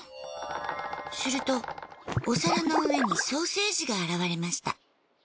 するとお皿の上にソーセージが現れました